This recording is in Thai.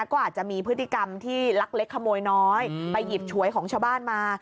ก็อาจจะมีพฤติกรรมที่ลักเล็กขโมยน้อยไปหยิบฉวยของชาวบ้านมา